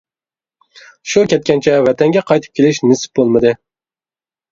شۇ كەتكەنچە ۋەتەنگە قايتىپ كېلىش نېسىپ بولمىدى.